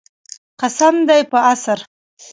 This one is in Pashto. قسم دی په عصر.